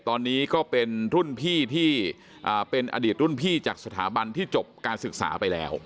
ตอนนี้ก็เป็นอดีตรุ่นพี่จากสถาบันที่จบการศึกษาไปแล้ว